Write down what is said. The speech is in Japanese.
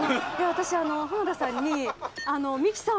私あの浜田さんに。